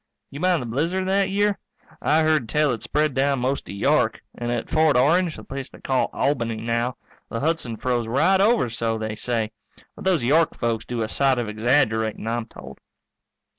You mind the blizzard that year? I heard tell it spread down most to York. And at Fort Orange, the place they call Albany now, the Hudson froze right over, so they say. But those York folks do a sight of exaggerating, I'm told.